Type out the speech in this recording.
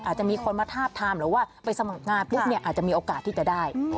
อาจจะมีคนมาทาบทำหรือว่าไปสำหรับงานพวกนี้อาจจะมีโอกาสที่จะได้